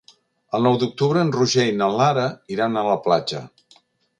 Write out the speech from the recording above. El nou d'octubre en Roger i na Lara iran a la platja.